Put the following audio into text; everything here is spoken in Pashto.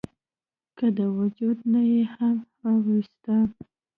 کۀ د وجود نه ئې هم اوويستۀ ؟